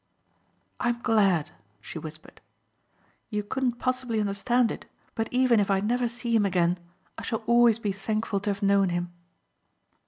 "I'm glad," she whispered, "You couldn't possibly understand it, but even if I never see him again I shall always be thankful to have known him."